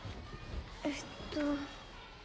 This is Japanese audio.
えっと。